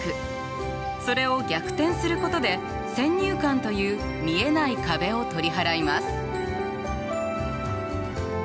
それを逆転することで先入観という見えない壁を取り払います。